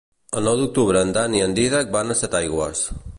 El nou d'octubre en Dan i en Dídac van a Setaigües.